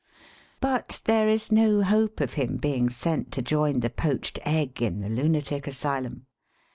But there is no hope of him being sent to join the poached egg in the lunatic asylum.